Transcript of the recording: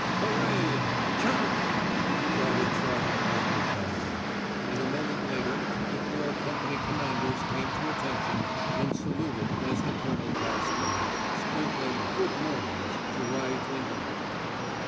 "Parade! Tchern!!" shouted Sergeant Major Shandon; and a moment later the four company commanders came to attention and saluted as the Colonel passed in, sprinkling "Good mornings" to right and left.